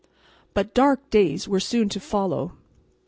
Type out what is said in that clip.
But dark days were soon to follow.